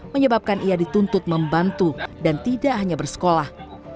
menyebabkan ia dituntut membantu dan tidak hanya bersekolah